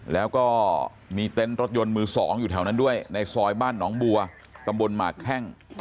แล้วก็มีเต็นต์รถยนต์มือสองอยู่แถวนั้นด้วยในซอยบ้านหนองบัวตำบลหมากแข้ง